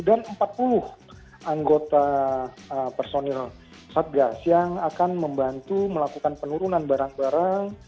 dan empat puluh anggota personil satgas yang akan membantu melakukan penurunan barang barang